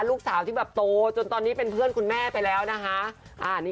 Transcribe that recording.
ลูกสาวที่แบบโตจนตอนนี้เป็นเพื่อนคุณแม่ไปแล้วนะคะ